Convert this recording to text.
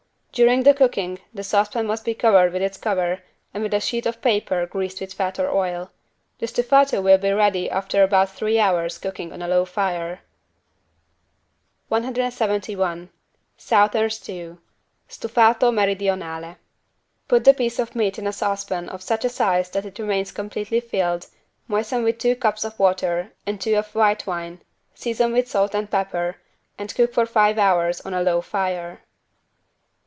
During the cooking the saucepan must be covered with its cover and with a sheet of paper greased with fat or oil. The stufato will be ready after about three hours' cooking on a low fire. 171 SOUTHERN STEW (Stufato Meridionale) Put the piece of meat in a saucepan of such a size that it remains completely filled, moisten with two cups of water and two of white wine, season with salt and pepper and cook for five hours on a low fire.